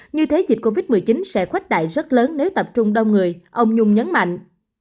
như thế dịch covid một mươi chín sẽ khuếch đại rất lớn nếu tập trung đông người ông nhung nhấn mạnh